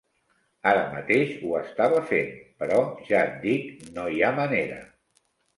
Ara mateix ho estava fent, però ja et dic, no hi ha manera.